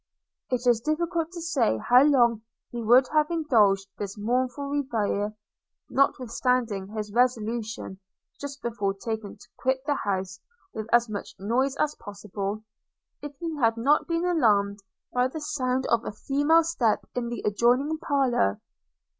It is difficult to say how long he would have indulged this mournful reverie (notwithstanding his resolution just before taken to quit the house with as much noise as possible), if he had not been alarmed by the sound of a female step in the adjoining parlour.